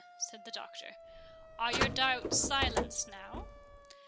said the Doctor.—"Are your doubts silenced now?"